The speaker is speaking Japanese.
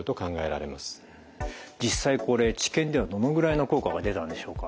実際これ治験ではどのぐらいの効果が出たんでしょうか。